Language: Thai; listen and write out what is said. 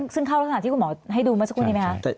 ซึ่งเข้ารักษณะที่คุณหมอให้ดูเมื่อสักครู่นี้ไหมคะ